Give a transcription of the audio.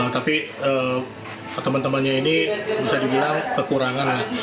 tapi teman temannya ini bisa dibilang kekurangan